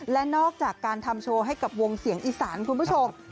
และนอกจากการทำโชว์ให้กับวงเสียงอีสานคุณผู้ชม